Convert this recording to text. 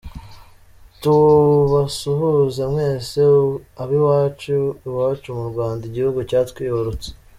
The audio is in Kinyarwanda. Tubasuhuze mwese ab’iwacu, iwacu mu Rwanda igihugu cyatwibarutse.